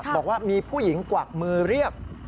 บอกว่ามีผู้หญิงกวักมือเรียก